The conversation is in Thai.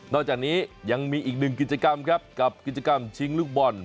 จากนี้ยังมีอีกหนึ่งกิจกรรมครับกับกิจกรรมชิงลูกบอล